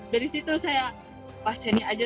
dari situ saya wah saya ini aja